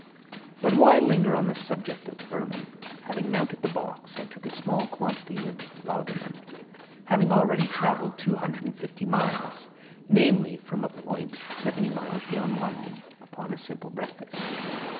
But why linger on the subject of vermin? Having mounted the box, I took a small quantity of laudanum, having already travelled two hundred and fifty miles viz., from a point seventy miles beyond London, upon a simple breakfast.